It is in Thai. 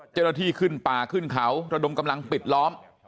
เจ้าหน้าที่ขึ้นป่าขึ้นเขาระดมกำลังปิดล้อม